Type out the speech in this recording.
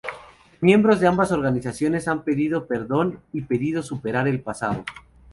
Miembros de ambas organizaciones han pedido perdón y pedido superar el pasado.